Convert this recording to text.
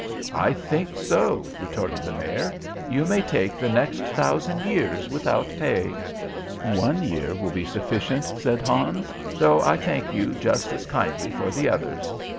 "I think so," retorted the Mayor. "You may take the next thousand years without pay." "One year will be sufficient," said Hans. "Though I thank you just as kindly for the others."